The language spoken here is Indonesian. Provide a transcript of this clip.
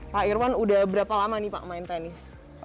pak irwan udah berapa lama nih pak main tenis